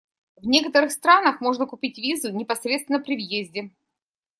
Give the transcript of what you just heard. В некоторых странах можно купить визу непосредственно при въезде.